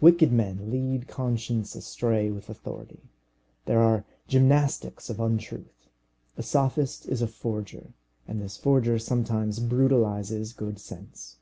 Wicked men lead conscience astray with authority. There are gymnastics of untruth. A sophist is a forger, and this forger sometimes brutalizes good sense.